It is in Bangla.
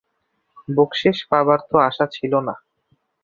বকশিশ পাবার তো আশা ছিল না।